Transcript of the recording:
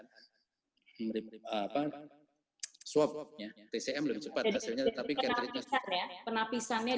tcm lebih cepat hasilnya tetapi kentritnya lebih cepat